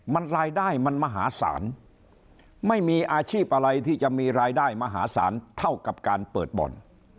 มันรายได้มันมหาศาลไม่มีอาชีพอะไรที่จะมีรายได้มหาศาลเท่ากับการเปิดบ่อน